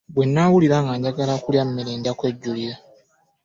Bwennawulira nga njagala kulya mmere nja kwejjulira.